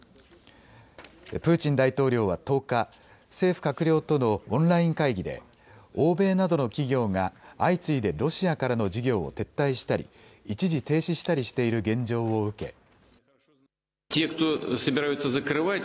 プーチン大統領は１０日、政府閣僚とのオンライン会議で欧米などの企業が相次いでロシアからの事業を撤退したり一時停止したりしている現状を受け。